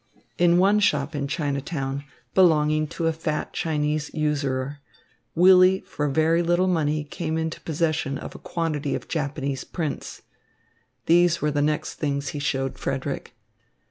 In one shop in Chinatown, belonging to a fat Chinese usurer, Willy for very little money came into possession of a quantity of Japanese prints. These were the next things he showed Frederick.